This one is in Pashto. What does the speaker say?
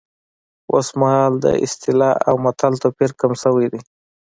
اوس مهال د اصطلاح او متل توپیر کم شوی دی